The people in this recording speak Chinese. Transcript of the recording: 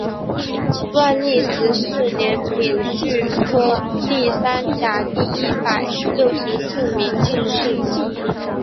万历十四年丙戌科第三甲第一百六十四名进士。